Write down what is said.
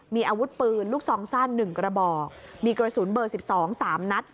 มีอาวุธปืนลูกซองสั้น๑กระบอกมีกระสุนเบอร์๑๒๓นัด